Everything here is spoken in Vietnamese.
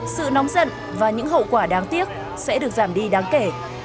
sự nóng giận và những hậu quả đáng tiếc sẽ được giảm đi đáng kể